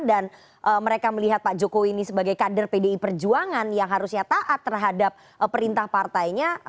dan mereka melihat pak jokowi ini sebagai kader pdi perjuangan yang harusnya taat terhadap perintah partainya